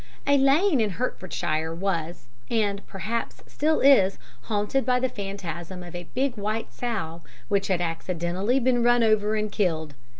A lane in Hertfordshire was and, perhaps, still is haunted by the phantasm of a big white sow which had accidentally been run over and killed.